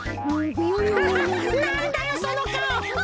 ハハなんだよそのかお！